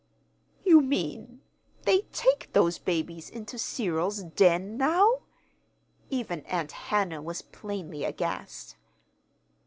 "You mean they take those babies into Cyril's den now?" Even Aunt Hannah was plainly aghast.